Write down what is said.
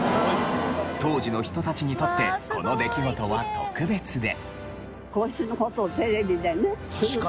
当時の人たちにとってこの出来事は特別で。